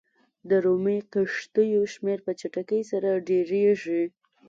د رومي کښتیو شمېر په چټکۍ سره ډېرېږي.